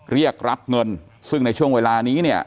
เรียกรับเงินซึ่งในช่วงเวลานี้เนี่ย